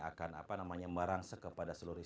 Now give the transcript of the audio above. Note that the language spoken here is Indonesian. akan merangsek kepada seluruh